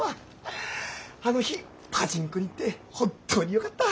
あの日パチンコに行って本当によかった。